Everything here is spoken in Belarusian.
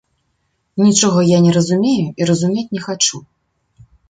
Нічога я не разумею і разумець не хачу.